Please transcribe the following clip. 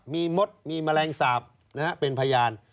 มีมดมีแมลงสาปเป็นพยาน